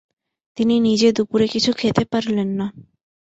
তিনি নিজে দুপুরে কিছু খেতে পারলেন না।